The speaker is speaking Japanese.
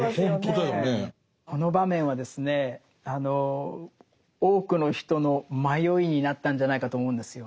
この場面はですね多くの人の迷いになったんじゃないかと思うんですよ。